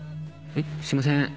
すいません。